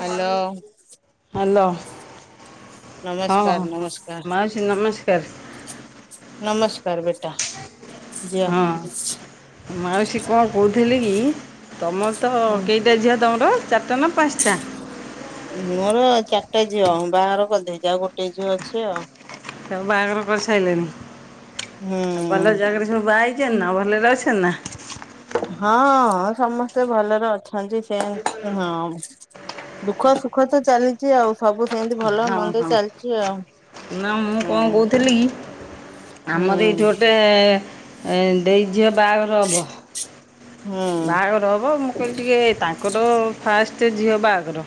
Hello hello. ହଁ ନମସ୍କାର ନମସ୍କାର ମାଉସୀ ନମସ୍କାର। ନମସ୍କାର ବେଟା। ଝିଅ। ହଁ ମାଉସୀ କଣ କହୁଥିଲେ କି? ତୁମର ତ କେଇଟା ଝିଅ ତମର ଚାରିଟା ନା ପାଞ୍ଚଟା? ମୋର ଚାରିଟା ଝିଅ ବାହାଘର କରିଦେଇଚି ଆଉ ଗୋଟଏ ଝିଅ ଅଛି ଆଉ। ତା ବାହାଘର କରିସାରିଲଣିି। ହୁଁ ଆଉ ଭଲ ଜାଗାରେ ସବୁ ବା- ନା ଭଲରେ ଅଛନ୍ତି ନା? ହଁ ସମସ୍ତେ ଭଲରେ ଅଛନ୍ତି। ସେ ହଁ ଦୁଃଖ ସୁଖ ତ ଚାଲିଛି ଆଉ ସବୁ ସେମିତି ଭଲ ହଁ ମନ୍ଦ ହଁ ଚାଲିଛି ଆଉ। ନା ମୁଁ ହୁଁ କଣ କହୁଥିଲି କି? ହୁଁ ଆମର ଏଇଠି ଗୋଟେ ଦେଇଝିଅ ବାହାଘର ହବ। ହୁଁ ବାହାଘର ହବ ମୁଁ କହିଲି ଟିକେ ତାଙ୍କର ଫାଷ୍ଟ ଝିଅ ବାହାଘର।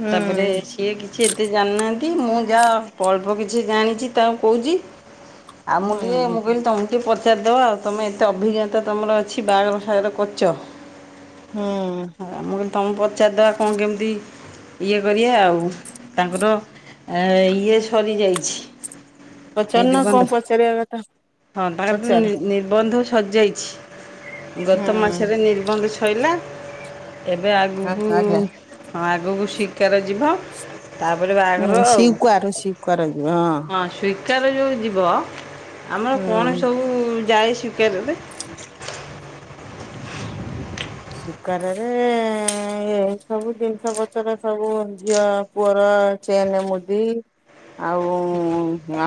ହୁଁ ତାପରେ ସିଏ କିଛି ଏତେ ଯାଣିନାହନ୍ତି କି ମୁଁ ଯାହା ଅଳ୍ପ କିଛି ଜାଣିଛି ତାକୁ କହୁଛି। ଆଉ ମୁଁ ଟିକେ ହୁଁ ମୁଁ କହିଲି ତମ ଟିକେ ପଚାରିଦେବ ଆଉ ତୁମେ ଏତେ ଅଭିଜ୍ଞତା ତୁମର ଅଛି ବାହାଘର ଫାଘର କରିଚ। ହୁଁ। ହ ମୁଁ କଲି ତମକୁ ପଚାରିଦବା କଣ କେମିତି ଇଏ କରିବା ଆଉ। ତାଙ୍କର ଆ ଇଏ ସରି ଯାଇଛି ପଚାରୁନ କଣ ନିରିବନ୍ଧ। ପଚାରିବା କଥା ହଁ ତାଙ୍କର ତ ପଚାର ନି-ନି-ନିର୍ବନ୍ଧ ସାରିଯାଇଛି ହୁଁ ଗତ ମାସରେ ନିର୍ବନ୍ଧ ସଇଲା। ଏବେ ଆଗକୁ ଆଜ୍ଞା। ହଁ ଆଗକୁ ଶି ସିକ୍ୱାର ଯିବ ତାପରେ ହୁଁ ବାହାଘର ଆଉ ସିକୁଆର ସିକୁଆର ଯିବ ହଁ। ସି ସିକ୍ୱାର ଯୋଉଁ ଯିବ ଆମର ହଁ କଣ ହୁଁ। ସବୁ ଯାଏ ସିକ୍ୱାର ରେ ସିକ୍ୱାରରେ ଏ ସବୁ ଜିନିଷ ପତର ସବୁ ଝିଅ ପୁଅର ଚେନ ମୁଦି ଆଉ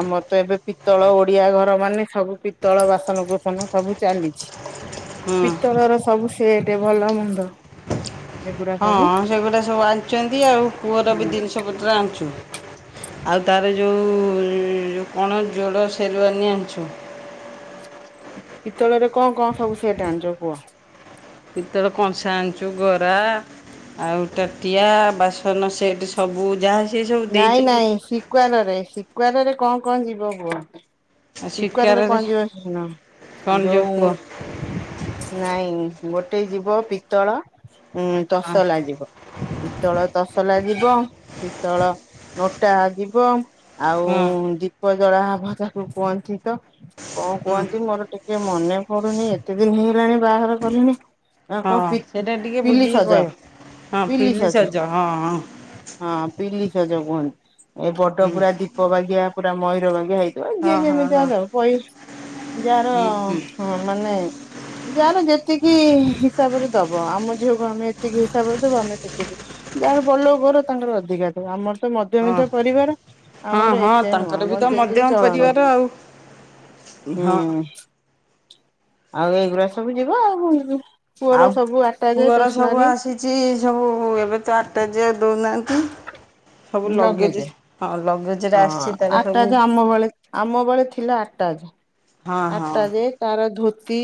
ଆମ ତ ଏବେ ପିତ୍ତଳ ଓଡିଆ ଘର ମାନେ ସବୁ ପିତ୍ତଳ ବାସନକୁସନ ସବୁ ଚାଲିଚି। ହୁଁ ପିତ୍ତଳର ସବୁ ସେଟ୍ ଭଲ ମନ୍ଦ ଏଗୁଡା ସବୁ ହଁ ସେଗୁଡ଼ା ସବୁ ଆଣିଚନ୍ତି ଆଉ ପୁଅର ବି ଜିନିଷପତ୍ର ଆଣିଚୁ। ଆଉ ତାର ଯୋଉ କଣ ଜୋଡ଼ ସେରୁୱାନି ଆଣିଚୁ। ପିତ୍ତଳରେ କଣ କଣ ସବୁ ସେଟା ଆଣିଚ କୁହ। ଆଣିଚୁ ଗରା ଆଉ ତାଟିଆ ବାସନ ସେଟ୍ ସବୁ ଯାହା ସେ ସବୁ ନାଇଁ ଦେଇଛନ୍ତି ନାଇଁ ସିକ୍ୱାରରେ ସିକ୍ୱାରରେ କଣ କଣ ଯିବ କୁହ? ଆଉ ସିକ୍ୱାରରେ ଶିକାରରେ କଣ ଯିବ ଶୁଣ କ'ଣ ଯେଉଁ ଯୋଉ କୁହ ନାଇଁ ଗୋଟେ ଯିବ ପିତ୍ତଳ ଉୁଁ ତସଲା ଯିବ ପିତ୍ତଳ ତସଲା ଯିବ ପିତ୍ତଳ ନୋଟା ଯିବ ଆଉ ହଁ ଦୀପ ଜଳାହବ ତାକୁ କୁହନ୍ତି ତ କଣ କୁହନ୍ତି ମୋର ଟିକେ ମନେ ପଡୁନି ଏତେ ଦିନ ହେଇଗଲାଣି ବାହାଘର କଲିଣି। ଆ କଣ ହଁ ସେଇଟା ଟିକେ ବୁଝିକି ପି-ପିଲିସଜା। କହିବ ହଁ ପିଲିସଜ ହଁ ହଁ। ହଁ ପିଲି ସଜ କୁହନ୍ତି ଏ ବଡ ହୁଁ ପୁରା ଦୀପ ବାଗିଆ ପୁରା ମୟୂର ବାଗିଆ ହେଇ ଥିବ ଯିଏ ହଁ ହଁ ଯେମିତି ହଁ ଦେଉ ପଇ ଯାହାର ହୁଁ ହୁଁ ହଁ ମାନେ ଯାହାର ଯେତିକି ହିସାବରେ ଦବ ଆମ ଝିଅକୁ ଆମେ ଏତିକି ହିସାବରେ ଦେବୁ ଆମେ ସେତିକି। ଯାହାର ବଡ ଲୋକ ଘର ତାଙ୍କର ଅଧିକା ଦେବେ ଆମର ତ ହଁ ମଧ୍ୟବିତ୍ତ ପରିବାର ହଁ ଆମର ହଁ ଏତେ ନୁହଁ ତାଙ୍କର ବି ଆମର ତ ଯେତିକି ମଧ୍ୟମ ଚଳଣିୟ। ପରିବାର ଆଉ ହଁ ହୁଁ ଆଉ ଏଇଗୁରା ସବୁ ଯିବା ଆଉ କଣ ଯିବ। ପୁଅର ଆଉ ସବୁ ଆ ପୁଅର ସବୁ ଆସିଚି ସବୁ ଏବେ ତ ଆଟାଜି ଆଉ ଦୋଉନାହାନ୍ତି। ଲଗେଇଦେ ହଁ ଆସିଛି ତାର ସବୁ ଆଟାଜ ଆମ ବେଳେ ଆମ ବେଳେ ଥିଲା ଆଟା ଜ ହଁ ହଁ ଆଟାଜେ କାହାର ଧୋତି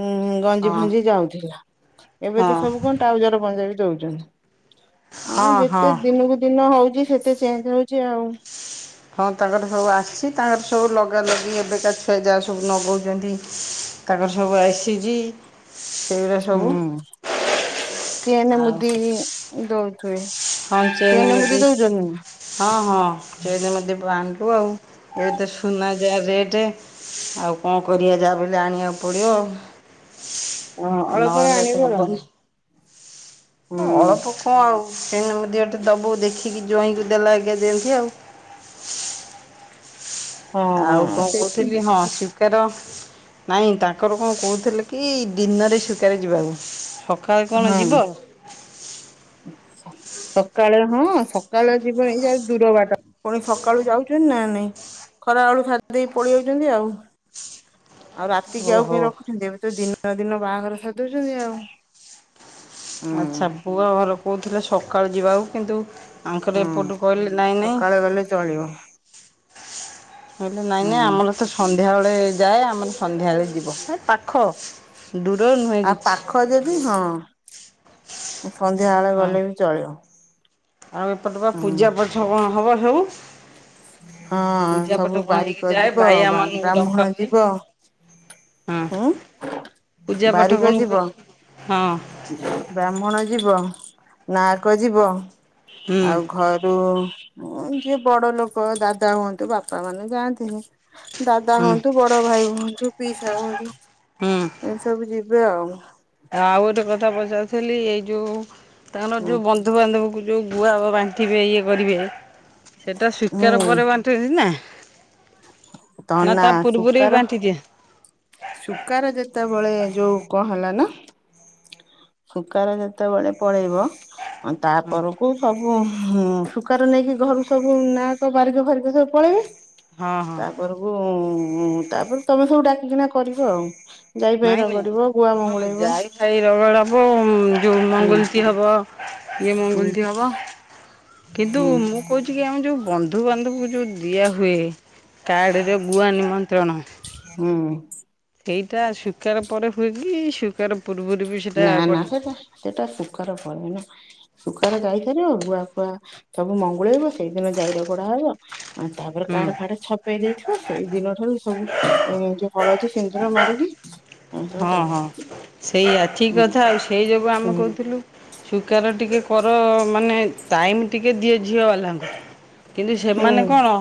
ଉଁ ଗଞ୍ଜି ହଁ। ଫଞ୍ଜି ଯାଉଥିଲା ଏବେ ହଁ ତ ସବୁ କଣ ଟାଉଜର ପଞ୍ଜାବି ଦୋଉଚନ୍ତି। ଆଉ ହଁ ଯେତେ ହଁ ଦିନକୁ ଦିନ ହୋଉଚି ସେତେ ଚେଞ୍ଜ ହୋଉଚି ଆଉ। ହଁ ତାଙ୍କର ସବୁ ଆସିଚି ତାଙ୍କର ସବୁ ଲଗା ଲଗି ଏବେକା ଛୁଆ ଯାହା ସବୁ ନଗୋଉଚନ୍ତି। ତାଙ୍କର ସବୁ ଆସିଜି। ହୁଁ ଚେନ ଆଉ ମୁଦି ଦୋଉଥୁବେ। ହଁ ଚେନ ମୁଦି ହଁ ହଁ ଚେନ ମୁଦି ଦୋବୁ ଆଉ ଏବେ ତ ସୁନା ଯାହା ରେଟ୍ ଆଉ କଣ କରିବା ଯାହାବି ହେଲେ ଆଣିବାକୁ ପଡ଼ିବ। ହଁ ଓଃ ଅଳପରେ ନହେଲେ ଆଣିବ ତ ଆଉ। ହବନି। ହୁଁ। ଅଳପ କଣ‌ ଆଉ କାହିଁକନା ମୁଦି ଗୋଟେ ଦବୁ ଦେଖିକି ଜ୍ୱାଇଁ କୁ ଦେଲାବାଗିଆ ଦିଅନ୍ତି ଆଉ। ହଁ ଆଉ କଣ ସେଠି କୋହୁଥିଲି ହଁ ସ୍ବିକାର ନାଇଁ ତାଙ୍କର କଣ କୋହୁଥିଲେ କି ଦିନରେ ସ୍ବିକାର ଯିବାକୁ। ସ ଖାଳେ କଣ ଯିବ? ସ-ସକାଳେ ହଁ ସକାଳେ ଯିବ ଏଇ ଯାହାର ଦୂର ବାଟ। ପୁଣି ସକାଳୁ ଯାଉଚନ୍ତି ନା ନାଇଁ ଖରା ବେଳୁ ସାରି ଦେଇକି ପଳେଇ ଆଉଚନ୍ତି ଆଉ। ଆଉ ରାତିକି ଆଉ ଓହୋ କାଇଁ ରଖୁଚନ୍ତି ଏବେ ତ ଦିନ [unintelligible] ଦିନ ବାହାଘର ସାରି ଦୋଉଚନ୍ତି ଆଉ। ଆଚ୍ଛା ହୁଁ। ପୁଅ ଘର କୋହୁଥିଲେ ସକାଳୁ ଯିବାକୁ କିନ୍ତୁ ଆଙ୍କର ହୁଁ ଏପଟୁ କହିଲେ ନାଇଁ ନାଇଁ ସକାଳେ ଗଲେ ଚଳିବ। ବୋଇଲେ ନାଇଁ ନାଇଁ ହୁଁ। ଆମର ତ ସନ୍ଧ୍ୟାବେଳେ ଯାଏ ଆମର ସନ୍ଧ୍ୟାବେଳେ ଯିବ ଏ ପାଖ ଦୂର ନୁହେଁ ଆଉ କିଛି ପାଖ ଯଦି ହଁ। ସନ୍ଧ୍ୟା ବେଳେ ହଁ ଗଲେ ବି ଚଳିବ ଆଉ ଏପଟେ ବା ହଁ। ପୂଜା ପାଠ କଣ ହବ ସବୁ। ହଁ ପୂଜା ପାଠ ସବୁ କଣ ହେଇକି ବାରିକ ଯାଏ ଯିବ ଭାଇଆ ମାନଙ୍କୁ ଡକା ବା-ବ୍ରାହ୍ମଣ ହୁଏ ଯିବ। ହଁ ଉଁ ପୂଜା ପାଠ କଣ ବାରିକ ହୁଏ ଯିବ। ହଁ ବ୍ରାହ୍ମଣ ଯିବ ନାହକ ଯିବ। ହୁଁ ଆଉ ଘରୁ ହଁ ଯିଏ ବଡ ଲୋକ ଦାଦା ହୁଅନ୍ତୁ, ବାପା ମାନେ ଯାଆନ୍ତିନି। ଦାଦା ହୁଁ ହୁଅନ୍ତୁ, ବଡ ଭାଇ ହୁଅନ୍ତୁ, ପିଇସା ହୁଅନ୍ତୁ, ହୁଁ ଏମିତି ସବୁ ଯିବେ ଆଉ ଆଉ ଗୋଟେ କଥା ପଚାରୁଥିଲି ଏଇ ଯୋଉ ତାଙ୍କର ହୁଁ ଯୋଉ ବନ୍ଧୁବାନ୍ଧବ କ ଯୋଉ ଗୁଆବ ବାଣ୍ଟିବେ ଇଏ କରିବେ ସେଇଟା ସ୍ୱୀକାର ହୁଁ ପରେ ବାଣ୍ଟୁଛନ୍ତି ନା ନା ତନା ତା ପୂର୍ବରୁ ବାଣ୍ଟି ଦିଅନ୍ତି। ସୁୁଖାର ଯେତେବେଳେ ଯୋଉ କଣ ହେଲା ନା ସୁୁଖାରେ ଯେତେବେଳେ ପଳେଇବ ହଁ ତାପରକୁ ସବୁ ହୁଁ ଶୁକାରାର ନେଇକି ଘରକୁ ସବୁ ନାହାକ, ବାରିକ ଫାରିକ ସବୁ ପଳେଇବେ। ହଁ ହଁ ତାପରକୁ, ତାପରେ ତମେ ସବୁ ଡାକିକିନା କରିବ ଆଉ ଯାଇଫାଇ ନାଇଁ ନାଇଁ ରଗଡିବ। ଗୁଆ ହଁ ମଙ୍ଗୁଳେଇବ ଯାଇ ଫାଇ ରଗଳ, [unintelligible] ହବ ଯୋଉ ହୁଁ ମଙ୍ଗୁଲଚ ହବ ଇଏ ହୁଁ ମଙ୍ଗୁଲଟି ହବ। କିନ୍ତୁ ହୁଁ ମୁଁ କହୁଛି କି ଆମ ଯେଉଁ ବନ୍ଧୁବାନ୍ଧବଙ୍କୁ ଯେଉଁ ଦିଆହୁୁଏ। କାର୍ଡ଼ରେ ଗୁଆ ନିମନ୍ତ୍ରଣ। ହୁଁ ସେଇଟା ଶୁଖାର ପରେ ହୁଏକି, ଶୁଖାର ନା ନା ସେଟା, ସେଟା ଶୁଖାର ପରେ ନା ଶୁଖାରେ ଯାଇସାରିବ, ଗୁଆ ଫୁଆ ସବୁ ମଙ୍ଗୁଳେଇବ, ସେଇଦିନ ଯାଇରଗଡା ହବ। ଆଉ ତାପରେ ହୁଁ କାଡ ଫାଡ ଛପେଇ ଦେଇଥିବ ସେଇ ଦିନ ଠାରୁ ସବୁ ଏ ଯୋଉ ହଳଦୀ ସିନ୍ଦୁର ମାରିକି ସବୁ ହଁ ଦବ ହଁ ସେଇ ଆଛି ହୁଁ କଥା ଆଉ, ସେଇ ଯୋଗୁଁ ଆମେ ହୁଁ। କହୁଥିଲୁ ସୁକାର ଟିକେ କର ମାନେ, ଟାଇମ ଟିକେ ଦିଏ ଝିଅ ବାଲାଙ୍କୁ କିନ୍ତୁ ହୁଁ ସେମାନେ କଣ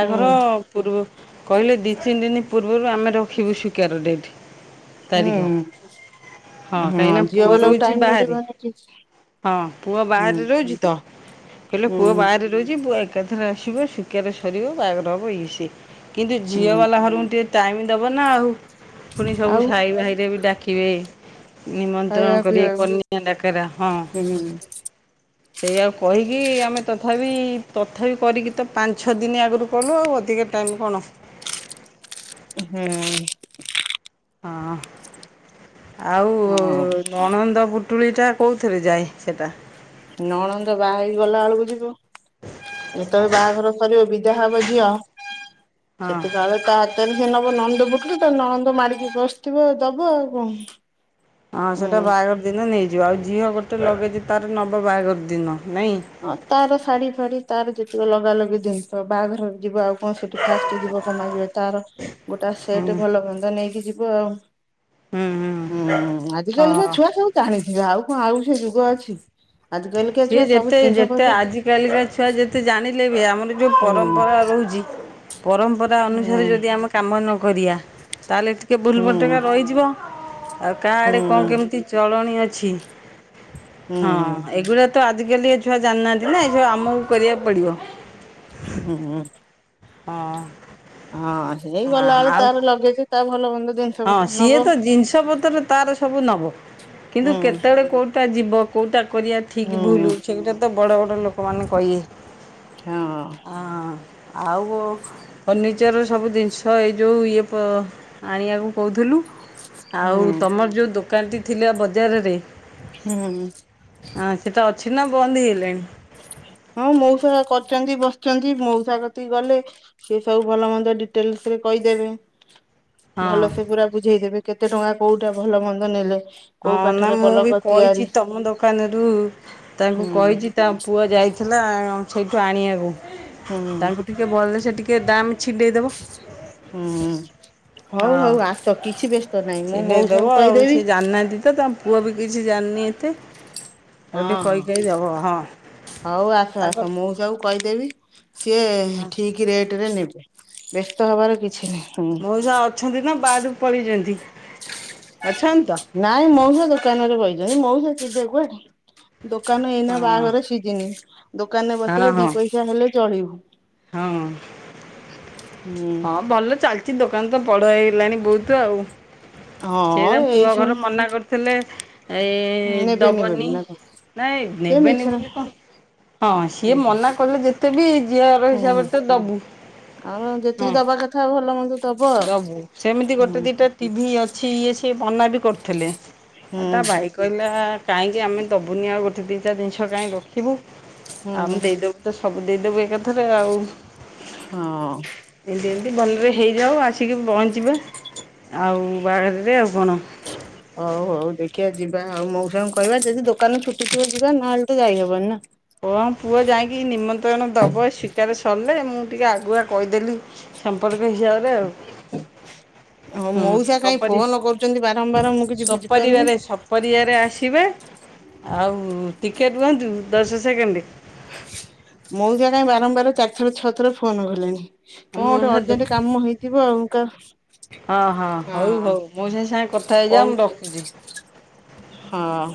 ହୁଁ ପୂର୍ବ, କହିଲେ ଦି ତିନି ଦିନି ପୂର୍ବରୁ ଆମେ ରଖିବୁ ସୁଖାର ରେ ଏଠି। ତାରିଖ ହୁଁ ହଁ ହଁ କାହିଁକିନା ଝିଅ ପୁଅ ବାଲାକୁ ରହୁଛି ଟାଇମ ବାହାରେ। ମିଳିବନି ଠିକ୍ ସେ। ହଁ ପୁଅ ହୁଁ ବାହାରେ ରହୁଛି ତ, କହିଲେ ପୁଅ ହୁଁ ବାହାରେ ରହୁଛି। ପୁଅ ଏକାଥରେ ଆସିବ, ଶୁଖାରେ ସରିବ ବାହାଘର ହବ ଇଏ ସିଏ କିନ୍ତୁ ଝିଅ ହୁଁ ବାଲା ଘର ଟିକେ ଟାଇମ ଦବ ନା ଆଉ। ପୁଣି ଆଉ ସବୁ ସାଇ ଭାଇରେ ବି ଡାକିବେ, ନିମନ୍ତ୍ରଣ ଖାଇବା କରିବେ ପିଇବାକୁ କନ୍ୟା ଡାକରା। ହଁ ହୁଁ ହୁଁ। ସେଇ ଆଉ କହି ଆମେ ତଥାପି, ତଥାପି କରିକି ତ ପାଞ୍ଚ ଛଅ ଦିନ ଆଗରୁ କଲୁ ଆଉ ଅଧିକା ଟାଇମ୍ କଣ? [unintelligible] ହୁଁ। [unintelligible] ହଁ ଆଉ ହଉ ନଣନ୍ଦ ପୁ ଟୁଳି ଟା କୋଉଥିରେ ଯାଏ ସେଟା? ନଣନ୍ଦ ବାହା ହେଇକି ଗଲା ବେଳକୁ ଯିବ, ଯେତେବେଳେ ବାହାଘର ସରିବ ବି ଦା ହେବ ଝିଅ, ହଁ। ସେତେ କଳେ ତା ହାତରେ ସେ ନ ନଣନ୍ଦ ପୁଟୁଳୀ, ତ ନଣନ୍ଦ ମାରିକି ବସିଥିବ, ଦବ ଆଉ କଣ। ହଁ ହୁଁ ସେଟା ବାହାଘର ଦିନ ନେଇଯିବ ଆଉ ଝିଅ ଗୋଟେ ଲଗେଜ ତାର ନବ ବାହାଘର ଦିନ। ନାଇଁ। ହଁ ତାର ଶାଢୀ ଫାଢୀ ତାର ଯେତିକ ଲଗାଲଗି ଜିନିଷ ବାହାଘର ଯିବ ଆଉ କଣ ସେଠି ଫାଷ୍ଟ ଯିବତାର [unintelligible] ଗୋଟେ ସେଟ୍ ହୁଁ। ଭଲ ଗନ୍ଧ ନେଇକି ଯିବ। ହୁଁ ହୁଁ ହଁ ଆଜିକାଲିର ହଁ ଛୁଆ ସବୁ ଜାଣିଥିବ ଆଉ ଣ ଆଉ ସେ ଯୁଗ ଅଛି, ଆଜି କାଲିକା ସିଏ ଛୁଆ ସବୁ ଯେତେ ଜିନିଷ ଯେତେ ପତ୍ର ଆଜ କାଲିକା ଛୁଆ ଯେତେ ଜାଣିଲେ ବି, ଆମର ଯୋଉ ହୁଁ ପରମ୍ପରା ରହୁଛି ପରମ୍ପରା ହୁଁ ଅନୁସାରେ ଯଦି ଆମେ କାମ ନକରିବା। ତା ହେଲେ ଟିକିଏ ହୁଁ ଭୁଲଭଟକା ରହିଯିବ, ଆଉ କା ହୁଁ ଆଡ଼େ କଣ କେମିତି ଚଳଣି ଅଛି ହୁଁ ହଁ ହୁଁ। ଏଗୁଡ଼ା ତ ଆଜିକାଲି ଏ ଛୁଆ ଜାଣିନାହାନ୍ତି ନା, ଏସବୁ ଆମକୁ କରିବାକୁ ପଡ଼ିବ। ହୁଁ ହଁ। ହଁ। ହଁ ହେଇଗଲା ବେଳେ ଆଉ ତାର ଲଗେଜ ତା ଭଲ ମନ୍ଦ ଜିନିଷ ହଁ ପତ୍ର ସିଏ ନବ। ତ ଜିନିଷ ପତ୍ର ତାର ସବୁ ନବ କିନ୍ତୁ ହୁଁ କେତେବେଳେ କୋଉଟା ଯିବ କେଉଁଟା କରିବା ଠିକ୍ ହୁଁ ଭୁଲୁ ସେଇଗୁଟା ତ ବଡ଼ ବଡ଼ ଲୋକମାନେ କହିବେ। ହଁ। ହଁ ଆଉ ଫର୍ଣ୍ନିଚର ସବୁ ଜିନିଷ ଏଇ ଯେଉ ଇଏ ପ ଆଣିବାକୁ କହୁଥିଲୁ ହୁଁ ଆଉ ତମର ଯେଉଁ ଦୋକାନଟି ଥିଲା ବଜାରରେ ହୁଁ। ହଁ ସେଟା ଅଛି ନା ବନନ୍ଦ ହେଇଗଲାଣି? ହଁ ମଉସା କରିଛନ୍ତି ବସିଛନ୍ତି ମଉସା କତିକି ଗଲେ ସେ ସବୁ ଭଲ ମନ୍ଦ ଡିଟେଲସରେ କହିଦେବେ ହଁ ଭଲ ସେ ପୁରା ବୁଝେଇଦେବେ କେତେ ଟଙ୍କା କୋଉଟା ଭଲ ମନ୍ଦ ନେଲେ ହଁ କୋଉ ନା କାଠରେ ମୁଁ ବି ପଲଙ୍କ ତିଆରି କହିଛି ତମ ଦୋକାନରୁ ତାଙ୍କୁ ହୁଁ କହିଛି ତା ପୁଅ ଯାଇଥିଲା ସେଇଠୁ ଆଣିବାକୁ। ହୁଁ ତାକୁ ଟିକେ ଭଲ ସେ ଟିକେ ଦାମ ଛିଣ୍ଡେଇଦବ। ହୁଁ ହ। ହଉ ହଁ ହଉ ଆସ କିଛି ବ୍ୟସ୍ତ ନହିଁ ମୁଁ ମଉସା କୁ କହିଦେବି ହଁ ପୁଅ ବି କିଛି ଜାଣିନି ଏତେ ଆଉ ହଁ ଟିକେ କହି ହଁ କହି ଦବ ହଁ ହଉ ଆସ ଆସ ତାଙ୍କ ମୁଁ ସବୁ କହି ଦେବି ସିଏ ହଁ ଠିକ ରେଟ ରେଟରେ ନେବେ ବ୍ୟସ୍ତ ହବାର କିଛି ନାହିଁ ହୁଁ ମଉଷା ଅଛନ୍ତି ନା ବାରୁ ପଳେଇଛନ୍ତି? ଅଛନ୍ତି ତ ନାଇଁ ମଉସା ଦୋକାନରେ ବଇଛନ୍ତି ମଉସା ଯିବେ କୁଆଡେ। ଦୋକାନ ହଁ ଏଇନା ବାହାଘର ସିଝିନି ଦୋକାନରେ ହଁ ବସିଲେ ଦି ହଁ ପଇସା ହେଲେ ଚଳିବୁ। ହଁ ହୁଁ ହଁ ଭଲ ଚାଲିଛି ଦୋକାନ ତ ବଡଇ ହେଲାଣି ବହୁତ ଆଉ ହଁ ସେଟ ଏଇ ପୁଅ ସବୁ ଘର ମନା କରିଥିଲେ ଏଇ ନେବେନି ଦବନି ବୋଲି ନା କଣ ନାଇଁ ସେ ନେବେନି ମିଛରେ ବୋଲି କହ ହଁ ସିଏ ହୁଁ ମନା କଲେ ଯେତେ ବି ଝିଅର ହୁଁ ହିସାବରେ ତ ଦବୁ। ଆଉ ହଁ ଯେତିକି ଦବା କଥା ଭଲ ମନ୍ଦ ଦବ ଆଉ ଦବୁ ସେମିତି ଗୋଟେ ହୁଁ ଦିଟା ଟିଭି ଅଛି। ସେ ଇଏ ସ ବନା ବି କରୁଥିଲେ। ଆ ତା ହୁଁ ଭାଇ କହିଲା କାହିଁକି ଆମେ ଦେବୁନି ଆଉ ଗୋଟେ ଦିଇଟା ଜିନିଷ କାଁକି ରଖିବୁ ହୁଁ ଆମେ ଦେଇଦବୁ ତ ସବୁ ଦେଇଦବୁ ଏକାଥରେ ଆଉ। ହଁ ଏଡି ଏତି ବନରେ ହେଇଯାଉ ଆସିକି ପହଞ୍ଚିବେ ଆଉ ବାଘରେ ଆଉ। କଣ? ହଉ ହଉ ଦେଖ ଦେଖଆ ଯିବା ଆଉ ମୋ ସାୟୁ କହିବା ଯଦି ଦୋକାନ ଛୁଟି, ଥିବ ଯିବା ନହେଲେ ତ ଯାଇହବନି ନା। ମତେ କଣ ଦେବ ଶିକାର ସରିଲେ, ମୁଁ ଟିକେ ଆଗୁଆ କହିଦେଲି ସମ୍ପର୍କ ହିସାବରେ ଆଉ। ହଁ [inaudible] ମଉସା କାଇଁ ହୁଁପ ଫୋନ କରୁଛନ୍ତି ବାରମ୍ବାର ମୁଁ କିଛି ବୁଝିପାରୁନି। ସପରିବାରେ ସପରଆରେ ଆସିବେ ଆଉ ଟିକେଟ କୁହନ୍ତୁ ଦଶ ସେକେଣ୍ଡରେ ମୁ ଯା କାଇ ବାରମ୍ବାର ଚାରିଥର ଛଅ ଥର ଫୋନ ଗଲିଣି? କଣ ମୋ ଗୋଟେ ସହିତ ଅର୍ଜେଣ୍ଟ କାମ ହେଇଥିବ ଆଉ। ହଁ ହଁ ହଉ ହଉ ମୁଁ ସେ ସାଙ୍ଗେ କଥା ହେଇଯା, ମୁ କହୁଛି ରଖୁଛି। ହଁ